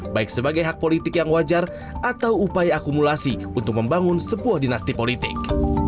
baik sebagai hak politik yang wajar atau upaya akumulasi untuk membangun sebuah dinasti politik